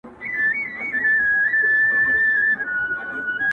له قصرونو د نمرود به پورته ږغ د واویلا سي!!